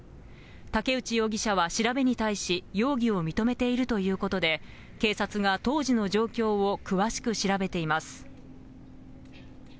竹内容疑者は調べに対し、容疑を認めているということで、警察が当時の状況を詳しく調べています。